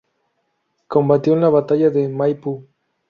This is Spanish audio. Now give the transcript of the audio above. Combatió en la batalla de Maipú.